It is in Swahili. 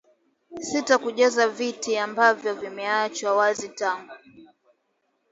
sita kujaza viti ambavyo vimeachwa wazi tangu